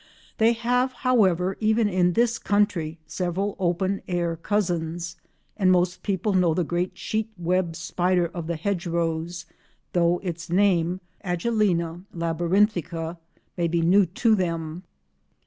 They have, however, even in this country, several open air cousins, and most people know the great sheet web spider of the hedge rows, though its name—Agelena labyrinthica—may be new to them.